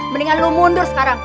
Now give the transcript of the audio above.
mendingan lo mundur sekarang